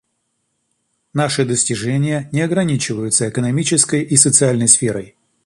Наши достижения не ограничиваются экономической и социальной сферой.